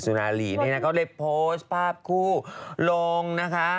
นาลีนี่นะก็ได้โพสต์ภาพคู่ลงนะคะ